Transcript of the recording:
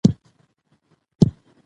ښه تخم وکرئ.